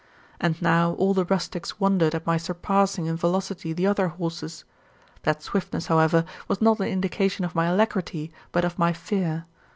And now all the rustics wondered at my surpassing in velocity the other horses. That swiftness, however, was not an indication of my alacrity, but of my fear.